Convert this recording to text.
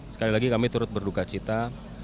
sekali lagi kami turut berdukacita